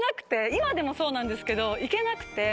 今でもそうなんですけどいけなくて。